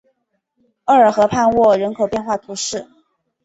厄尔河畔沃人口变化图示